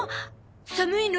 寒いの？